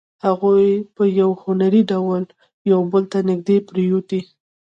هغوی په یو هنري ډول یو بل ته نږدې پرېوتې